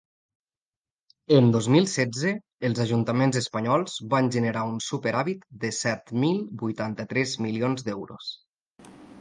En dos mil setze, els ajuntaments espanyols van generar un superàvit de set mil vuitanta-tres milions d’euros.